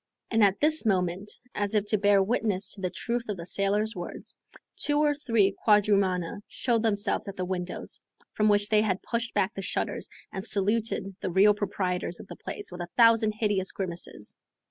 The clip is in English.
And, at this moment, as if to bear witness to the truth of the sailor's words, two or three quadrumana showed themselves at the windows, from which they had pushed back the shutters, and saluted the real proprietors of the place with a thousand hideous grimaces.